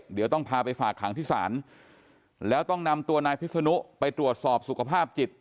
เดี๋ยวต้องพาไปฝากขังที่ศาลแล้วต้องนำตัวนายพิษนุไปตรวจสอบสุขภาพจิต